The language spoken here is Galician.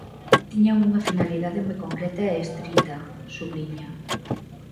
"Tiñan unha finalidade moi concreta e estrita", subliña.